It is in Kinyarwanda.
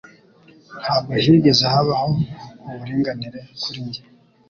Ntabwo higeze habaho uburinganire kuri njye,